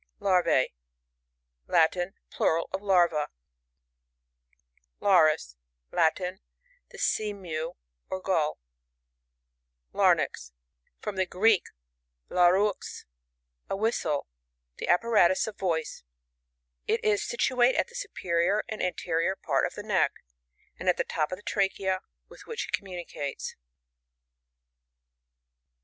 LARViE. — Latin, Plural of Larva. Larus. — Latin. A Sea mew or Gull. liARYNx. — From the Greek, Zarv^x, a whistle. The apparatus of voice. It is situate at the superior and an terior part of the neck; and at the top of the trachea, with which it communicates.